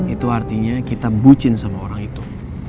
itu artinya kita bucin sama orang itu